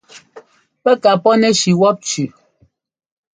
Pɛ́ ka pɔ́nɛshi wɔ́p cʉʉ.